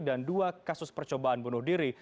dan dua kasus percobaan bunuh diri